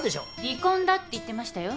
離婚だって言ってましたよ。